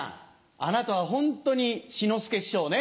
あなたはホントに志の輔師匠をね